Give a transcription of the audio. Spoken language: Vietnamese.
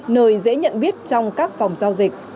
nơi dễ nhận biết trong các phòng giao dịch